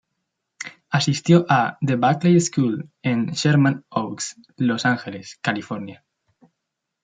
Asistió a "The Buckley School" en Sherman Oaks, Los Ángeles, California.